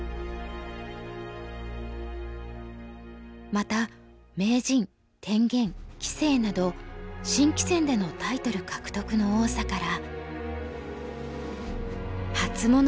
また名人天元棋聖など新棋戦でのタイトル獲得の多さから。